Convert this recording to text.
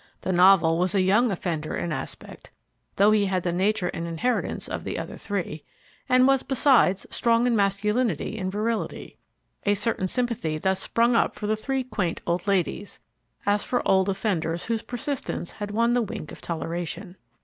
The Novel was a young offender in aspect (though he had the nature and inheritance of the other three), and was, besides, strong in masculinity and virility. A certain sympathy thus sprung up for the three quaint old ladies, as for old offenders whose persistence had won the wink of toleration.